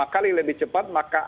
lima kali lebih cepat maka